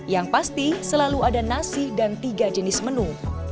yang pasti selalu ada nasi dan tiga jenis menu